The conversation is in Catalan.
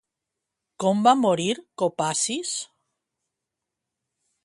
Com va morir Kopasis?